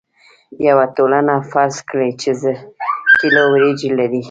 یوه ټولنه فرض کړئ چې زر کیلو وریجې لري.